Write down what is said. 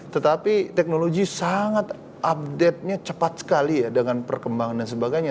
tetapi teknologi sangat update nya cepat sekali ya dengan perkembangan dan sebagainya